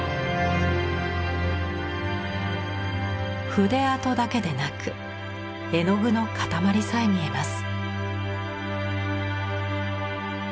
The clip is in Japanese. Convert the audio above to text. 筆跡だけでなく絵の具の塊さえ見えます。